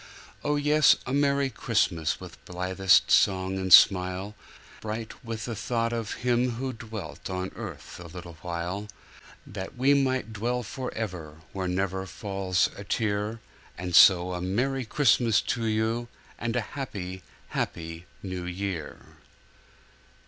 Oh, yes! a Merrie Christmas With blithest song and smile, Bright with the thought of him who dwelt On earth a little while, That we might dwell forever Where never falls a tear; So a Merrie Christmas to you, And a happy, happy year.